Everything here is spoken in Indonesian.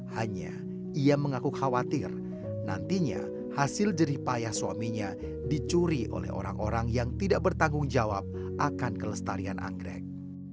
hanya ia mengaku khawatir nantinya hasil jerih payah suaminya dicuri oleh orang orang yang tidak bertanggung jawab akan kelestarian anggrek